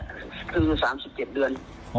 ก็คือ๓๗เดือน